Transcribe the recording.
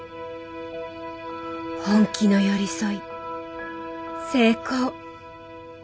本気の寄り添い成功。